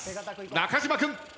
中島君。